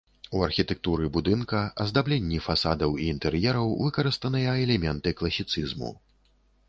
У архітэктуры будынка, аздабленні фасадаў і інтэр'ераў выкарыстаныя элементы класіцызму.